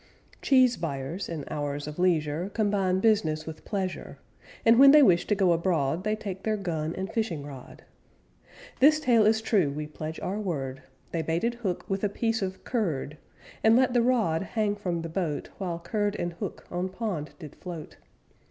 Cheese buyers in hours of leisure Combine business with pleasure, And when they wish to go abroad They take their gun and fishing rod. This tale is true we pledge our word, They baited hook with a piece of curd, And let the rod hang from the boat, While curd and hook on pond did float.